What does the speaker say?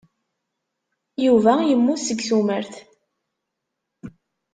Yuba yemmut seg tumert.